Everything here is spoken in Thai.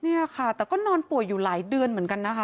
เนี่ยค่ะแต่ก็นอนป่วยอยู่หลายเดือนเหมือนกันนะคะ